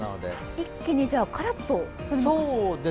一気にカラッとするのかしら。